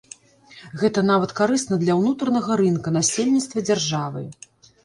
Гэта нават карысна для ўнутранага рынка, насельніцтва, дзяржавы.